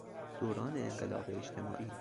دوران انقلاب اجتماعی